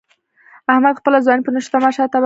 احمد خپله ځواني په نشو تماشو تباه کړ.